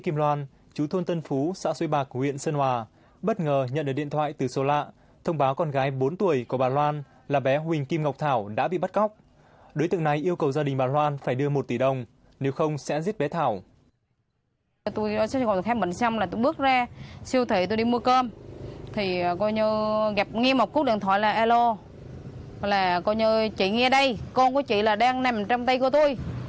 phút điện thoại là alo là coi như chị nghe đây con của chị là đang nằm trong tay của tôi